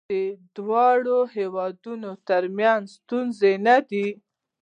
آیا دا د دواړو هیوادونو ترمنځ ستونزه نه ده؟